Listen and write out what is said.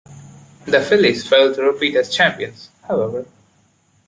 The Phillies failed to repeat as champions, however.